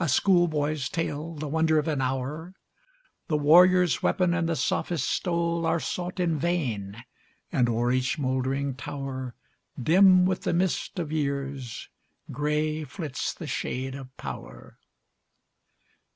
A schoolboy's tale, the wonder of an hour! The warrior's weapon and the sophist's stole Are sought in vain, and o'er each moldering tower, Dim with the mist of years, gray flits the shade of power.